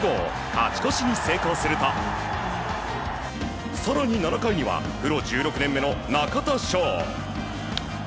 勝ち越しに成功すると更に、７回にはプロ１６年目の中田翔。